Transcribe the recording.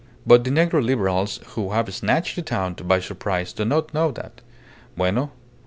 But the negro Liberals who have snatched the town by surprise do not know that. Bueno.